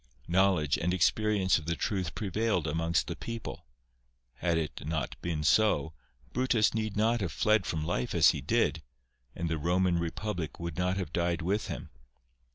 Knowledge and experience of the truth prevailed amongst the people. Had it not been so, Brutus need not have fled from life as he did, and the Koman republic would not have died with him.